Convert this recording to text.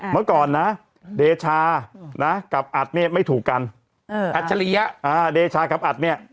เมื่อก่อนนะเดชากับอัดเนี้ยไม่ถูกกันเอออัดเฉลี่ยอ่าเดชากับอัดเนี้ย